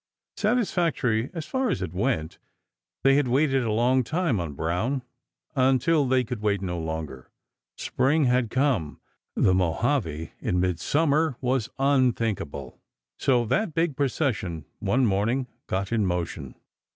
Satisfactory as far as it went. They had waited a long time on Brown—until they could wait no longer. Spring had come. The Mojave in midsummer was unthinkable. So that big procession one morning got in motion.